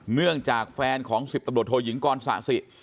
เนื่องจากแฟนของ๑๐ตำรวจโทยิงกรสะสิ